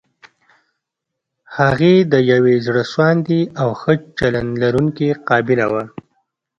هغې د يوې زړه سواندې او ښه چلند لرونکې قابله وه.